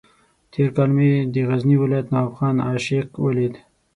تېر کال چې مې د غزني ولایت نواب خان عاشق ولید.